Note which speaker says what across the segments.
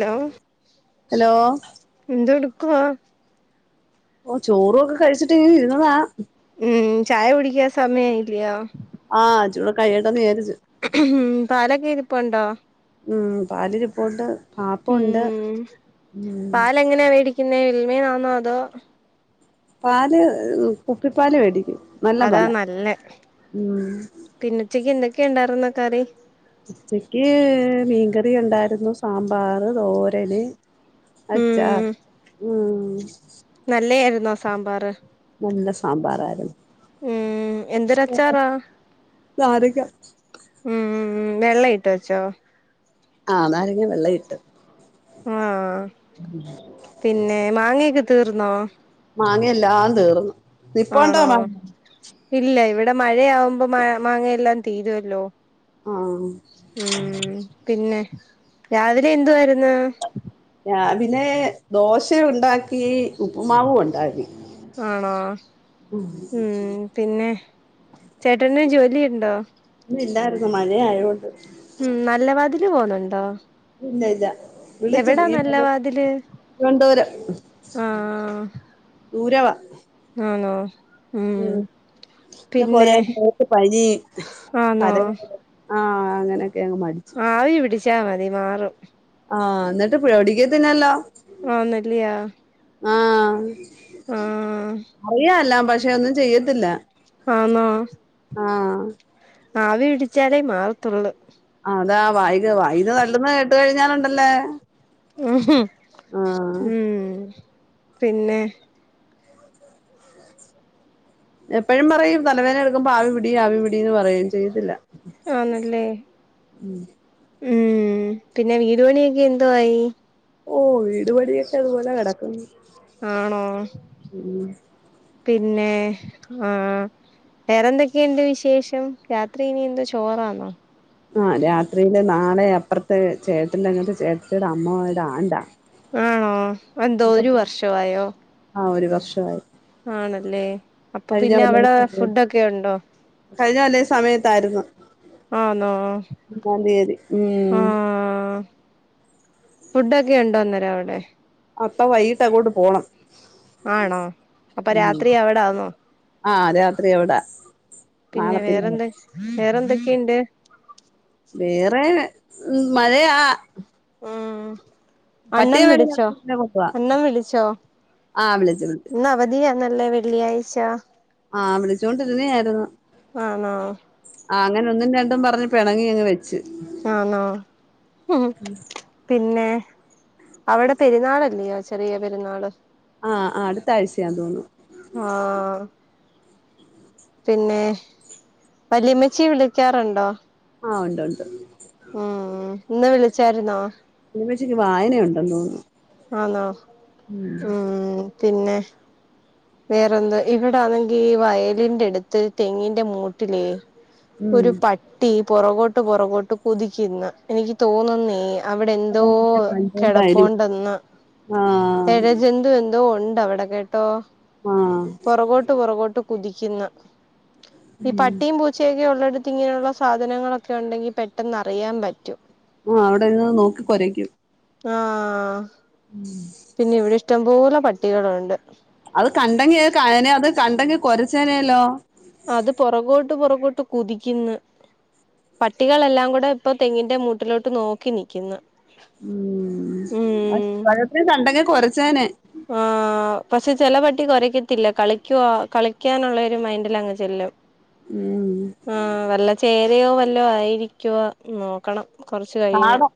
Speaker 1: Hello.
Speaker 2: Hello.
Speaker 1: എന്തേടുക്കുവാ?
Speaker 2: ഓ ചോറും ഒക്കെ കഴിച്ചിട്ടിങ്ങനെ ഇരുന്നതാ.
Speaker 1: ഉം. ചായ കുടിക്കാൻ സമയായില്ലയോ?
Speaker 2: ആഹ് ഇച്ചിരി കൂടി കൈയട്ടെന്ന് വിചാരിച്ചു.
Speaker 1: ഉം പാലൊക്കെ ഇരിപ്പുണ്ടോ?
Speaker 2: ഉം. പാലിരിപ്പൊണ്ട്.
Speaker 1: ഉം. പാലങ്ങനെയാ മേടിക്കുന്നേ മിൽമേന്നോ അതോ?
Speaker 2: പാല്, കുപ്പിപ്പാല് മേടിക്കും. നല്ല
Speaker 1: അതാ
Speaker 2: പാലാ.
Speaker 1: നല്ലേ
Speaker 2: ഉ
Speaker 1: പിന്നെ ഉച്ചയ്ക്ക് എന്തൊക്കെയ ഉണ്ടായിരുന്ന കറി?
Speaker 2: ഉച്ചക്ക് മീൻകറി ഉണ്ടായിരുന്നു. സാമ്പാർ, തോരന്. അച്ചാർ.
Speaker 1: ഉം
Speaker 2: ഉം.
Speaker 1: നല്ലയായിരുന്നോ സാമ്പാർ?
Speaker 2: നല്ല സാമ്പാറായിരുന്നു.
Speaker 1: ഉം. എന്തൊരച്ചാറാ?
Speaker 2: നാരങ്ങ
Speaker 1: ഉം വെള്ള ഇട്ട് വെച്ചോ
Speaker 2: ആഹ് നാരങ്ങെ വെള്ള ഇട്ട്
Speaker 1: ആഹ പിന്നെ മാങ്ങയൊക്കെ തീർന്നോ
Speaker 2: മാങ്ങയെല്ലാം തീർന്നു നിപ്പോണ്ടോ
Speaker 1: ആണോ
Speaker 2: മാങ്ങ
Speaker 1: ഇല്ല ഇവിടെ മഴയാവുമ്പോ മാ മാങ്ങയെല്ലാം തീരുമല്ലോ
Speaker 2: ആഹ്
Speaker 1: ഉം പിന്നെ രാവിലെ എന്തുവാര്ന്നു
Speaker 2: രാവിലെ ദോശ ഉണ്ടാക്കി ഉപ്പുമാവ ഉണ്ടാക്കി
Speaker 1: ആണോ ഉം പിന്നെ ചേട്ടന് ജോലി ഉണ്ടോ
Speaker 2: ഇന്ന് ഇല്ലായിരുന്നു മഴ ആയോണ്ട്
Speaker 1: ഉം നല്ല വാതിലു പോന്നുണ്ടോ
Speaker 2: ഇല്ല ഇല്ല വിളിച്ചു
Speaker 1: എവിടാ
Speaker 2: ഈ
Speaker 1: നല്ല
Speaker 2: മത
Speaker 1: വാതില്
Speaker 2: തിരുവനന്തപുരം ദൂരവ
Speaker 1: ആന്നോ
Speaker 2: ഉം എന്ന പോരഞ്ഞു മോൾക് പനി
Speaker 1: ആന്നോ
Speaker 2: തല ആഹ് അങ്ങനൊക്കെ അങ് മടി
Speaker 1: ആവി പിടിച്ചാൽ മതി മാറും
Speaker 2: ആഹ എന്നിട്ട് പിടിക്കത്തിന്നല്ലോ
Speaker 1: ആന്നല്ലിയാ
Speaker 2: ആഹ
Speaker 1: ആഹ്
Speaker 2: അറിയാം എല്ലാം പക്ഷെ ഒന്നും ചെയ്യത്തില്ല
Speaker 1: ആന്നൊ
Speaker 2: ആഹ്
Speaker 1: ആവി പിടിച്ചാലേ മാറത്തുള്ളൂ
Speaker 2: ആഹ് അതാ വൈക [unintelligible] വൈക തല്ലന്ന് കേട്ട് കഴിഞ്ഞാലുണ്ടല്ലേ ആഹ്
Speaker 1: ഉം പിന്നെ-
Speaker 2: അ [unintelligible] എപ്പഴും പറയും തലവേദന എടുക്കുമ്പോ ആവി പിടി ആവി പിടി എന്ന് പറയും ചെയ്യത്തില്ല
Speaker 1: ആന്ല്ലേ ഉം പിന്നെ വീട് പണിയൊക്കെ എന്തോ ആയി
Speaker 2: ഓഹ് വീടുപണിയൊക്കെ അതുപോലെ കെടക്കുന്നു
Speaker 1: ആണോ പിന്നെ ആഹ് - വേറെ എന്തൊക്കെയുണ്ട് വിശേഷം രാത്രി ഇനി എന്തുവാ ചോറാണോ
Speaker 2: ആഹ് രാത്രിയില് നാളെ അപ്പുറത്തെ ചേട്ടൻന്റെ അങ്ങനത്തെ ചേട്ടത്തിടെ അമ്മുമ്മേടെ ആണ്ടാ
Speaker 1: ആണോ ഇപ്പൊ എന്തുവാ
Speaker 2: അപ്പൊ
Speaker 1: ഒരു വർഷം ആയോ
Speaker 2: ആഹ് ഒരു വർഷമായി
Speaker 1: ആണല്ലേ അപ്പൊ
Speaker 2: കഴിഞ്ഞ
Speaker 1: പിന്നെ
Speaker 2: കൊല്ലം
Speaker 1: അവിടെ
Speaker 2: ഈ സമയത്ത്
Speaker 1: ഫുഡൊക്കെ ഒണ്ടോ
Speaker 2: കഴിഞ്ഞ കൊല്ലം ഈ സമയത്തായിരുന്നു
Speaker 1: ആനോ
Speaker 2: ഒന്നാം തീയതി ഉം
Speaker 1: ആഹ് ഫുഡ് ഒക്കെ ഒണ്ടോ അന്നേരം അവിടെ
Speaker 2: അപ്പം വൈകിട്ട് അങ്ങോട്ട് പോണം
Speaker 1: ആണോ അപ്പൊ
Speaker 2: ഉം
Speaker 1: രാത്രി അവിടെ ആന്നോ
Speaker 2: ആഹ് രാത്രി അവിടാ
Speaker 1: പിന്നെ വേറെന്ത്‌ വേറെ എന്തൊക്കെയുണ്ട്
Speaker 2: വേറെ മഴയാ
Speaker 1: ആഹ് അണ്ണം
Speaker 2: പറ്റിയ
Speaker 1: വിളിച്ചോ
Speaker 2: വേളയില് കൊണ്ടുവാ
Speaker 1: അണ്ണം വിളിച്ചോ
Speaker 2: ആഹ് വിളിച്ചു വിളിച്ചു
Speaker 1: ഇന്നാ അവധിയാണല്ലെ വെള്ളിയാഴ്ച
Speaker 2: ആഹ് വിളിച്ചോണ്ട് വരുന്നേ ആയിരുന്നു.
Speaker 1: ആണോ
Speaker 2: ആഹ് അങ്ങന ഒന്നും രണ്ടും പറഞ്ഞു പിണങ്ങിയങ്ങ് വരും ചെന്ന്
Speaker 1: ആണോ ഉം പിന്നെ അവിടെ പെരുന്നാളല്ലയോ ചെറിയ പെരുന്നാള്
Speaker 2: ആഹ് ആഹ് അടുത്താഴ്ചയാന്ന് തോന്നുന്നു
Speaker 1: ആഹ് പിന്നെ വല്ലിയമ്മച്ചിയെ വിളിക്കാറുണ്ടോ
Speaker 2: ആഹ ഉണ്ട് ഉണ്ട്
Speaker 1: ഉം ഇന്ന് വിളിച്ചായിരുന്നോ
Speaker 2: അമച്ചക്ക് വായനുണ്ടെന്ന് തോന്നുന്നു
Speaker 1: അന്നോ ആഹ ഉം പിന്നെ വേറെന്തോ ഇവിടാണെങ്കി ഈ വയലിന്റെട്ത്ത് തെങ്ങിന്റെ മൂട്ടില്
Speaker 2: ഉം
Speaker 1: ഒരു പട്ടി പുറകോട്ട് പുറകോട്ട് കുതിക്കുന്ന എനിക്ക് തോന്നുന്നെയ്യ അവിടെ എന്തോ
Speaker 2: കണ്ടോണ്ടായിരിക്കും
Speaker 1: കിടപ്പുണ്ടെന്നോ
Speaker 2: ആഹ്
Speaker 1: ഇഴജന്തു എന്തോ എതോ ഉണ്ട് അവിട കേട്ടോ
Speaker 2: ആഹ്
Speaker 1: പുറകോട്ട് പുറകോട്ട് കുതിക്കുന്ന ഈ പട്ടിയും പൂ ശരിഉള്ളിടുത്ത് ഇങ്ങനെയുള്ള സാധനങ്ങളൊക്കെ ഉണ്ടെങ്കിൽ പെട്ടെന്ന് അറിയാൻ പറ്റും
Speaker 2: ആഹ് അവ്ടെന്ന് നോക്കി കൊരക്യും
Speaker 1: ആഹ്
Speaker 2: ഉം
Speaker 1: പിന്നെ ഇവിടെ ഇഷ്ടംപോലെ പട്ടികളുണ്ട്
Speaker 2: അത് കണ്ടെങ്കി കയനെ അത് കണ്ടെങ്കി കൊരച്ചേനെല്ലോ
Speaker 1: അത് പൊറകോട്ട് പൊറകോട്ട് കുതിക്യിന്ന് പട്ടികളെല്ലാങ്കുടെപ്പൊ തെങ്ങിന്റെ മൂട്ടിലോട്ട് നോക്കി നിക്യുന്ന
Speaker 2: ഉം അഹ് പഴത്തിന് തണ്ടെങ്ങെ കൊരച്ചേനേ
Speaker 1: ആഹ് ആഹ് പക്ഷെ ചെലപട്ടി കുരയ്ക്കത്തില്ല കളിക്ക്യുവാ കളിക്യാനുള്ളരു മൈൻഡിലങ്ങ് ചെല്ലും
Speaker 2: ഉം
Speaker 1: ആഹ് വല്ല ചേരയോ വല്ലോ ആയിരിക്ക്യോ നോക്കണം കൊറച്ച് കഴിഞ്ഞ്
Speaker 2: കാടോ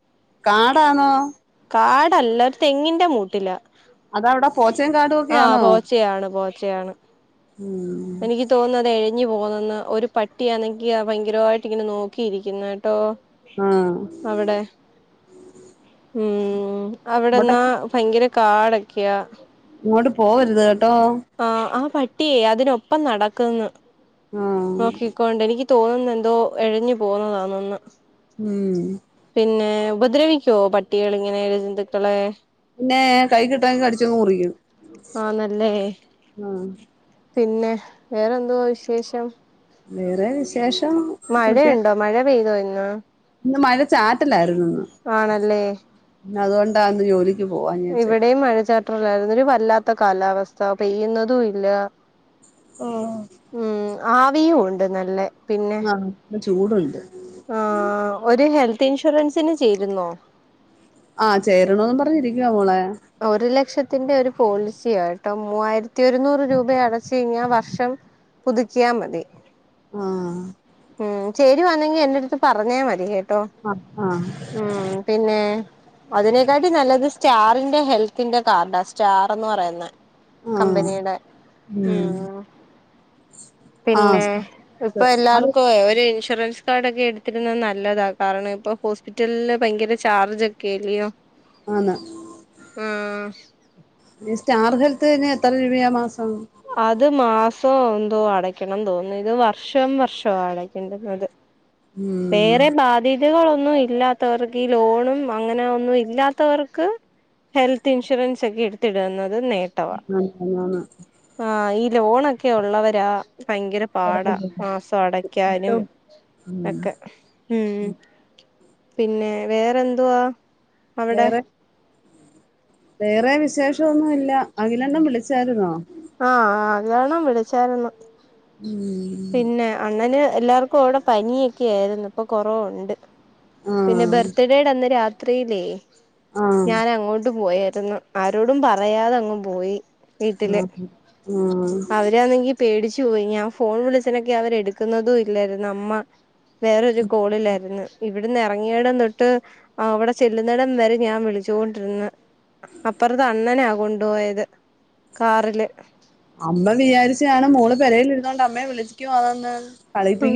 Speaker 2: കാടാണോ
Speaker 1: കാടല്ല ഒര് തെങ്ങിന്റെ മൂട്ടില
Speaker 2: അതാവ്ടെ പോച്ചേകാടോ
Speaker 1: ആഹ് പോച്ചയാണ് പോച്ചയാണ്
Speaker 2: ഉം
Speaker 1: എനിക്ക് തോന്ന്ന്നതെ ഞ് പോകുന്നന്ന് ഒരു പട്ടിയാന്നെങ്കി ആഹ് ഭയങ്കരോയിട്ട് ഇങ്ങനെ നോക്കിയിരിക്യൂന്നേട്ടോ
Speaker 2: ആഹ്
Speaker 1: അവടെ ഉം
Speaker 2: ഇങ്ങോട്ട്
Speaker 1: അവടെന്നാ ഭയങ്കര കാടക്ക്യാ
Speaker 2: ഇങ്ങോട്ട് പോവര്ത് കേട്ടോ
Speaker 1: ആഹ് ആഹ് പട്ടിയെ അതിനൊപ്പം നടക്ക്ന്ന്
Speaker 2: ആഹ്
Speaker 1: നോക്കിക്കൊണ്ട് എനിക്ക് തോന്നുന്നന്തോ എഴഞ്ഞു പോവുന്നതാന്നന്ന്
Speaker 2: ഉം
Speaker 1: പിന്നെ ഉപദ്രവിക്കോ പട്ടികളിങ്ങനെ ഇഴജന്തുക്കളെ
Speaker 2: പിന്നെ കൈ കിട്ടാങ്കി കടിച്ച് മുറിക്യും
Speaker 1: ആഹ് ന്നല്ലേ
Speaker 2: ആഹ്
Speaker 1: പിന്നെ വേറെന്തുവാ വിശേഷം
Speaker 2: വേറെ വിശേഷം പ്രത്യേക
Speaker 1: മഴയുണ്ടോ മഴ പെയ്തോ ഇന്ന്
Speaker 2: ഇന്ന് മഴ ചാറ്റലായിരുന്നു
Speaker 1: ആണല്ലേ
Speaker 2: ഇന്ന് അതുകൊണ്ടാ ഇന്ന് ജോലിക്ക് പോവാഞ്ഞെ വെച്ചെ
Speaker 1: ഈ മഴ ചാറ്റ - ഇപ്പോൾ ഒരു വല്ലാത്ത കാലാവസ്ഥ പെയ്യുന്നതും ഇല്ല
Speaker 2: [unintelligible]
Speaker 1: ഉം ആവിയും ഉണ്ട് നല്ലെ
Speaker 2: ആഹ് ഇന്ന് ചൂടുണ്ട്
Speaker 1: ആഹ് ഒര് ഹെൽത്തിൻഷുറൻസിന് ചേരുന്നോ
Speaker 2: ആഹ് ചേരണോന്ന് പറഞ്ഞിരിക്കുവ മോളെ
Speaker 1: ഒരു ലക്ഷത്തിന്റെ ഒരു പോളിസിയാ കേട്ടോ മൂവായിരത്തി ഒരുന്നൂറ് രൂപ അടച്ച് കഴിഞ്ഞാൽ വർഷം- പുതുക്കിയാ മതി
Speaker 2: ആഹ്
Speaker 1: ഉം ചേരുവന്നെങ്കി എന്റെ അടുത്ത് പറഞ്ഞാ മതി കേട്ടോ
Speaker 2: ആ ആഹ്
Speaker 1: ഉം പിന്നെ- അതിനെക്കാട്ടി നല്ലത് സ്റ്റാറിന്റെ ഹെൽത്തിന്റെ കാർഡാ സ്റ്റാർന്ന് പറയുന്നെ
Speaker 2: ആഹ്
Speaker 1: കമ്പനിയുടെ ഉം
Speaker 2: ആ
Speaker 1: പിന്നെ ഇപ്പൊ
Speaker 2: അത്
Speaker 1: എല്ലാവർക്കും ഒരു ഇൻഷുറൻസ്- കാർഡ് ഒക്കെ എടുത്തിരുന്നത് നല്ലതാണ് കാരണം ഇപ്പ ഹോസ്പിറ്റലില് ഭയങ്കര ചാർജ് ഒക്കെ അല്ലയോ
Speaker 2: ആന്
Speaker 1: ആഹ്
Speaker 2: ഈ സ്റ്റാർ ഹെൽത്തിന് എത്ര രൂപയാ മാസം
Speaker 1: അത് മാസം എന്തോ അടക്കണം തോന്നുന്നു ഇത് വർഷം വർഷം ആ അടക്കണ്ടന്നത്
Speaker 2: ഉം
Speaker 1: വേറെ ബാ- ധ്യതകളൊന്നും ഇല്ലാത്തവർക്ക് ഈ ലോണും അങ്ങനെ ഒന്നും ഇല്ലാത്തവർക്ക്- ഹെൽത്ത് ഇൻഷുറൻസ് ഒക്കെ എടുത്തിടുന്നത് [unintelligible]
Speaker 2: [unintelligible]
Speaker 1: ആ ഈ ലോണൊക്കെ ഉള്ളവരാ ഭയങ്കര പാടാ മാസം അടക്കാനും
Speaker 2: ഉം
Speaker 1: ഒക്കെ ഉം പിന്നെ വേറെന്തുവാ അവിടെ
Speaker 2: വേറെ വേറെ വിശേഷം ഒന്നുല്ല അഖിലണ്ണൻ വിളിച്ചായിരുന്നോ
Speaker 1: ആ [unintelligible] വിളിച്ചായിരുന്നു
Speaker 2: [unintelligible]
Speaker 1: പിന്നെ അണ്ണന് എല്ലാർക്കും അവിടെ പനിയൊക്കൊയിരുന്നു ഇപ്പൊ കുറവുണ്ട് പിന്നെ
Speaker 2: ആഹ്
Speaker 1: ബർത്ത്ഡേയുടെ അന്ന് രാത്രില്ലേ
Speaker 2: ആഹ്
Speaker 1: ഞാൻ അങ്ങോട്ട് പോയേരുന്ന് ആരോടും പറയാതെ അങ്ങ് പോയി വീട്ടില്
Speaker 2: ആഹ് ആഹ്
Speaker 1: അവരാന്നെങ്കി പേടിച്ചു പോയ് ഞാൻ ഫോൺ വിളിച്ചനൊക്കെ അവര് എടുക്കുന്നതും ഇല്ലായിരുന്നു അമ്മ വേറൊരു കോളിലായിരുന്ന് [unintelligible] ഇവിടന്ന് ഇറങ്ങിയടം തൊട്ട് അവിടെ ചെല്ലുന്നടം വരെ ഞാൻ വിളിച്ചോണ്ട് ഇരുന്ന് അപ്പറത്തെ അണ്ണന കൊണ്ടുപോയത് കാറില്
Speaker 2: അമ്മ വിചാരിച്ച് കാണും മോൾ പെരേൽ ഇരുന്നു കൊണ്ട് അമ്മയെ വിളിച്ചിക്കുവാന്നെന്ന്
Speaker 1: ഉം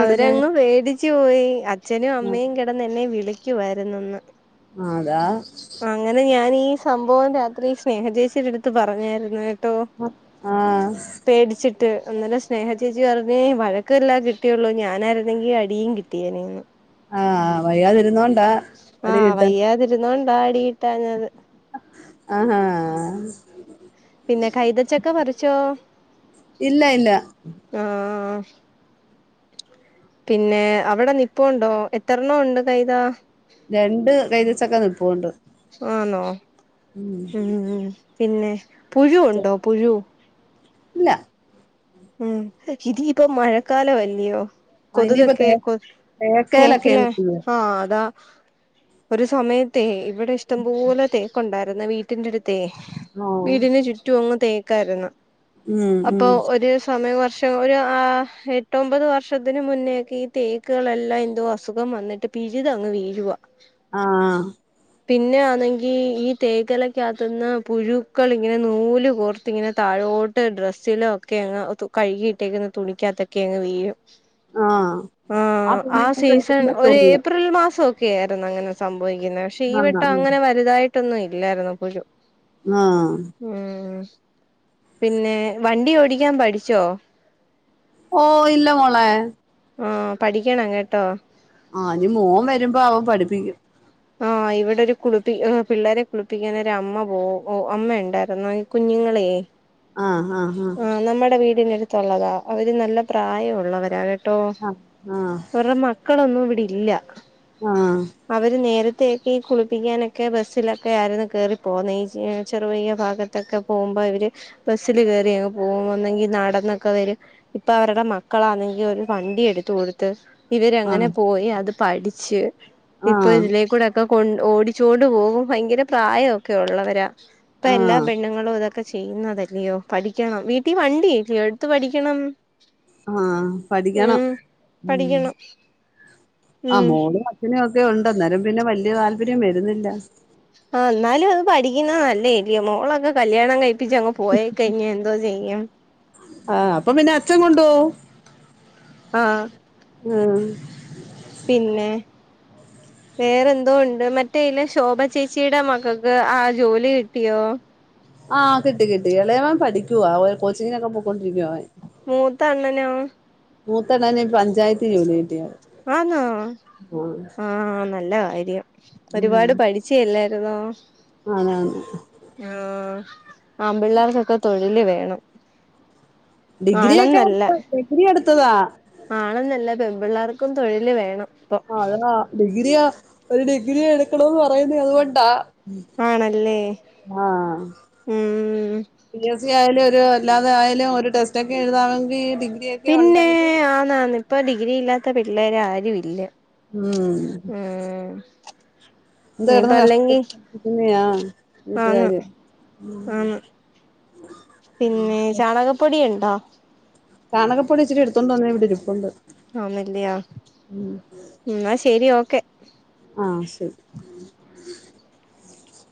Speaker 1: അവരങ്ങ് പേടിച്ചു പോയി അച്ഛനും അമ്മയും [unintelligible] [unintelligible] എന്നെ വിളിക്കുവായിയിരുന്നന്ന്
Speaker 2: [unintelligible]
Speaker 1: അങ്ങനെ ഞാൻ ഈ സംഭവം രാത്രി സ്നേഹചേച്ചീടെ എടുത്ത് പറഞ്ഞായിരുന്നു കേട്ടോ
Speaker 2: [unintelligible] ആ
Speaker 1: പേടിച്ചിട്ട് അന്നേരം സ്നേഹ ചേച്ചി [unintelligible] [unintelligible] വഴക്കെല്ല കിട്ടിയുള്ളൂ ഞാനായിരുന്നെങ്കിൽ അടിയും കിട്ടിയേനെ ന്ന്
Speaker 2: ആ വയ്യാതെയിരുന്നോണ്ട
Speaker 1: ആ വയ്യാതിരുന്നോണ്ട അടികിട്ടാഞ്ഞത്
Speaker 2: ആ ഹാ
Speaker 1: പിന്നെ കൈതച്ചക്കെ പറിച്ചോ
Speaker 2: ഇല്ല ഇല്ല
Speaker 1: ആ ആ പിന്നെ അവിടെ നിപ്പോണ്ടോ എത്രണ്ണോണ്ട് കൈതാ
Speaker 2: രണ്ട് കൈതച്ചക്ക നിൽപ്പുണ്ട്
Speaker 1: ആന്നോ ഉം പിന്നെ പുഴു ഉണ്ടോ പുഴ
Speaker 2: ഇല്ല
Speaker 1: ഉം ഇതിയിപ്പ മഴക്കാല അല്യോ
Speaker 2: ആ ഇനിയിപ്പോ തേ
Speaker 1: കൊതുകൊക്കെ
Speaker 2: തേക്കേലൊക്കെയാണ്
Speaker 1: [unintelligible]
Speaker 2: ചെയ്യ
Speaker 1: ആ അതാ ഒരു സമയത്തൈ ഇവിടെ ഇഷ്ടംപോലെ തേകുണ്ടായിരുന്നെ വീട്ടിന്റെ അടുത്തേ
Speaker 2: ഓ
Speaker 1: വീടിന് ചുറ്റും ഒങ്ങ് തേക്കായിരുന്നു
Speaker 2: ഉം
Speaker 1: അപ്പൊ
Speaker 2: ഉം
Speaker 1: [unintelligible] [unintelligible] ഒരു എട്ടൊമ്പത് വർഷത്തിന് മുന്നേക്കെ ഈ തേക്കുകളെല്ലാം എന്തോ അസുഖം വന്നിട്ട് പിഴിതങ്ങ് വീഴുവാ
Speaker 2: ആ
Speaker 1: പിന്നെ ആന്നെ ങ്കി ഈ തേക്കെലകാത്ത്ന്ന് പുഴുക്കളിങ്ങനെ നൂല് കോർത്തിങ്ങനെ [unintelligible] [unintelligible] ഡ്രസ്സിലൊക്കെ അങ് [unintelligible] കഴുകിയിട്ടേക്ക്ന്ന തുണിക്കാത്തൊക്കെ അങ്ങ് വീഴും
Speaker 2: ആ
Speaker 1: ആ ആ
Speaker 2: കുഞ്ഞുങ്ങൾക്ക്
Speaker 1: സീസൺ
Speaker 2: എടുക്കുമ്പോ
Speaker 1: ഒരു
Speaker 2: ചൊറി
Speaker 1: ഏപ്രിൽ [unintelligible] [unintelligible] ആയിരുന്നു അങ്ങനെ സംഭവിക്കുന്നത് പക്ഷെ ഈ
Speaker 2: ആ
Speaker 1: വട്ടം അങ്ങനെ വലുതായിട്ടൊന്നും ഇല്ലായിന്നു പുഴു
Speaker 2: ആ
Speaker 1: ഉം പിന്നെ വണ്ടി ഓടിക്കാൻ പഠിച്ചോ
Speaker 2: ഓ ഇല്ല മോളേ
Speaker 1: ആ പഠിക്കണം കേട്ടോ
Speaker 2: ആ ഇനി മോൻ വരുമ്പോ അവൻ പഠിപ്പിക്കും
Speaker 1: ആ ഇവിടെ ഒരു കുളിപ്പി പിള്ളേരെ കുളിപ്പിക്കന്നെരമ്മ പോവും അമ്മണ്ടായിര്ന്നെ കുഞ്ഞുങ്ങളൈ
Speaker 2: ആഹ് ആഹ്
Speaker 1: ആഹ് നമ്മടെ വീടിനടുത്തുള്ളതാ അവര് നല്ല പ്രായമുള്ളവരാണ് ആഹ് അവരുടെ മക്കളൊന്നും ഇവിടെല്ലൃ
Speaker 2: ആഹ്
Speaker 1: അവര് നേരത്തേയൊക്കെ കുളിപ്പിക്കാനൊക്കെ ബസ്സിലൊക്കെ ആയിരുന്നു കേറിപ്പോന്നേ ചെറു ചെറീയഭാഗത് തൊക്കെ പോകുമ്പ ഇവര് ബസ്സിൽ കേറി അങ്ങ് പോകുന്നെങ്കിൽ നടന്നൊക്കെ വരും ഇപ്പൊ അവര്ടെ മക്കളാണെങ്കി ഒരു വണ്ടി എടുത്ത് കൊടുത്ത് പ്പ ഇവരങ്ങനെ
Speaker 2: ആഹ്
Speaker 1: പോയി അത് പഠിച്ച് ഇപ്പൊ
Speaker 2: ആഹ്
Speaker 1: ഇതിലേക്കൂടെ ഒക് ക്കെ കൊ ഓടിച്ചോണ്ട് പോകും ഭയങ്കര പ്രായൊക്കെ ഉള്ളവരാ ഇപ്പൊ എല്ലാ
Speaker 2: ആഹ്
Speaker 1: പെണ്ണങ്ങളും ഇതൊക്കെ ക്കെ ചെയ്യുന്നതല്ലയോ പഠിക്കണം വീട്ടിൽ വണ്ടില്ലയോ എടുത്ത് പഠിക്കണം
Speaker 2: ആഹ് പഠിക്കണം
Speaker 1: ഉം
Speaker 2: ഉം
Speaker 1: പഠിക്കണം
Speaker 2: ആഹ്
Speaker 1: ഉം
Speaker 2: മോള് പിന്നൊക്കെ ഉണ്ട് ഞരമ്പിന്ന് വല്ലൃ താല്പര്യം വരുന്നില്ല
Speaker 1: ആഹ് എന്നാലും അത് പഠിക്കുന്ന നല്ല എല്ലൃഓ മോളൊക്കെ കല്യാണം കഴി പ്പിച്ചങ്ങ് പോയി കഴിഞ്ഞാ എന്തോ ചെയ്യും
Speaker 2: ആഹ് അപ്പം പിന്നെ അച്ഛൻ കൊണ്ടോവും
Speaker 1: ആഹ്
Speaker 2: മ്
Speaker 1: പിന്നെ വേറെന്തോ ഉണ്ട് മറ്റേലെ ശോഭ ചേച്ചിടെ മക്കൾക്ക് ആഹ് ജോലി കിട്ടിയോ
Speaker 2: ആഹ് കിട്ടി കട്ടി എളയവൻ പഠിക്കുവാ ഓൽ കോച്ചിങ്ങിനൊക്കെ പോക്കൊണ്ടിരിക്കുവാൻ
Speaker 1: മൂത്തണ്ണനോ
Speaker 2: മൂത്തണ്ണന് പഞ്ചായത്ത് ജോലി കട്ടിയാ
Speaker 1: ആന്നോ ആഹ് നല്ല കാര്യം ഒരുപാട് പഠി ച്ചില്ലേരുന്നോ
Speaker 2: ആനെ ആനെ
Speaker 1: ആഹ് ആമ്പിള്ളേർകൊക്കെ തൊഴില് വേണം
Speaker 2: ഡിഗ്രിഒക്കെ
Speaker 1: ആണെന്നല്ല
Speaker 2: എടു ഡിഗ്രി എടുത്തതാ
Speaker 1: ആണെന്നല്ല പെൺ പിള്ളേർക്കും തൊഴില് വേണം. ഇപ്പൊ
Speaker 2: ആ [unintelligible] ഡിഗ്രിയാ ഒരു ഡിഗ്രി എടുക്കണന്ന് പറയുന്നത് അതുകൊണ്ടാ.
Speaker 1: ആണല്ലേ
Speaker 2: ആഹ
Speaker 1: ഉം
Speaker 2: പി എസ് സി. ആയാലും ഒരു അല്ലാതൊയാലും, ഒരു ടെസ്റ്റ ഒക്കെ എഴുതാമെങ്കിൽ ഡിഗ്ര
Speaker 1: പിന്നെ ആന്നാന്ന ഇപ്പൊ ഡിഗ്രി ഇല്ലാത്ത പിള്ളേര് ആരു ഇല്ല.
Speaker 2: ഉം
Speaker 1: ഉം
Speaker 2: എന്താ
Speaker 1: ഇനിയിപ്പ
Speaker 2: ഇടന്ന്
Speaker 1: അല്ലെങ്കി
Speaker 2: കഷ്ടപ്പെട്ട് [unintelligible] ക്കുന്നെയാ
Speaker 1: ആന്ന്
Speaker 2: വീട്ടുകാര്.
Speaker 1: ആന്ന് പിന്നെ ചാണകപ്പൊടിയുണ്ടോ
Speaker 2: ചാണകപ്പൊടി ഇച്ചിരി എടുത്തോണ്ട്വന്നേ ഇവിടെ ഇരിപ്പുണ്ട്
Speaker 1: ആമല്ലിയാ ന്നാ ശെരി ഓക്കെ.
Speaker 2: ആ ശരി.